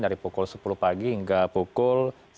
dari pukul sepuluh pagi hingga pukul sepuluh